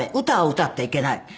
歌を歌ってはいけない。